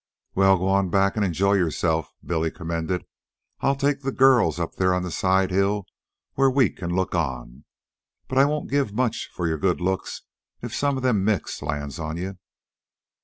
"Well, go on back an' enjoy yourself," Billy commended. "I'll take the girls up there on the side hill where we can look on. But I won't give much for your good looks if some of them Micks lands on you."